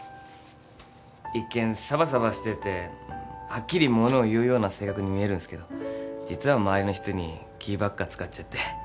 一見さばさばしててはっきり物を言うような性格に見えるんすけど実は周りの人に気ばっか使っちゃって。